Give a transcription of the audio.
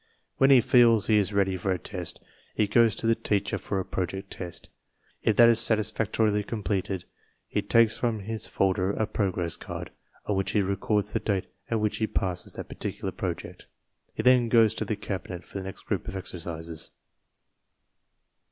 When he feels he is ready for a test, he goes to the teacher for a project test. If that is sat isfactorily completed, he takes from his folder a prog ress card, on which he records the date at which he passed that particular project. He then goes to the cabinet for the next group of exercises.